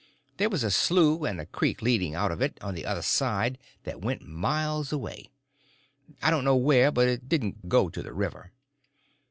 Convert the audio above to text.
There was a slough or a creek leading out of it on the other side that went miles away, I don't know where, but it didn't go to the river.